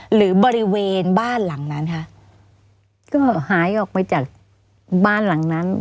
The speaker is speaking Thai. หรือบริเวณบ้านหลังนั้นคะก็หายออกไปจากบ้านหลังนั้น